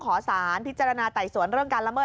ขอสารพิจารณาไต่สวนเรื่องการละเมิ